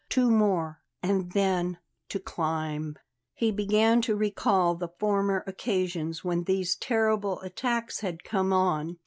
Two more, and then, to climb He began to recall the former occasions when these terrible attacks had come on.